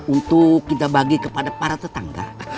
untuk kita bagi kepada para tetangga